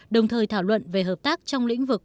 đồng thời thảo luận về hợp tác trong lĩnh vực